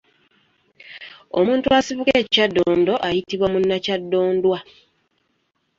Omuntu asibuka e Kyaddondo ayitibwa munnakyaddondwa.